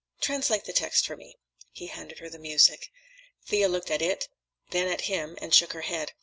Translate the text for me." He handed her the music. Thea looked at it, then at him, and shook her head.